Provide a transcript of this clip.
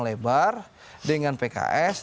lebar dengan pks